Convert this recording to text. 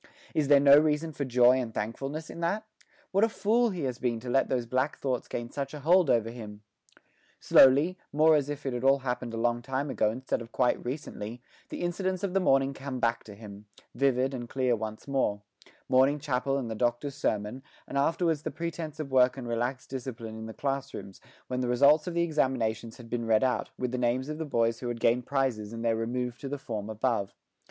Is there no reason for joy and thankfulness in that? What a fool he has been to let those black thoughts gain such a hold over him! Slowly, more as if it had all happened a long time ago instead of quite recently, the incidents of the morning come back to him, vivid and clear once more morning chapel and the Doctor's sermon, and afterwards the pretence of work and relaxed discipline in the class rooms, when the results of the examinations had been read out, with the names of the boys who had gained prizes and their remove to the form above.